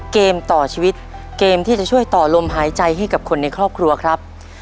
เกมต่อชีวิตเกมที่จะช่วยต่อลมหายใจให้กับคนในครอบครัวครับ